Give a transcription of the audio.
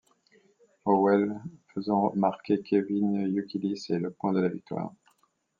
Howell, faisant marquer Kevin Youkilis et le point de la victoire.